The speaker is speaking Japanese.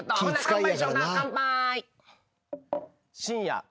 乾杯。